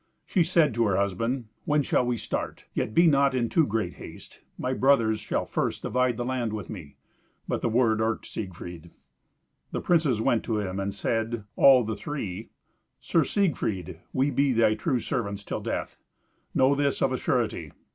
She said to her husband, "When shall we start? Yet be not in too great haste. My brothers shall first divide the land with me." But the word irked Siegfried. The princes went to him and said, all the three, "Sir Siegfried, we be thy true servants till death. Know this of a surety."